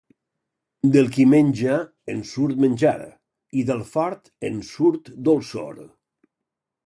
Del qui menja, en surt menjar, i del fort, en surt dolçor.